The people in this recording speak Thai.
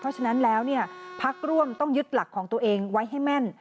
เพราะฉะนั้นแล้วพักร่วมต้องยึดหลักของตัวเองไว้ให้แม่น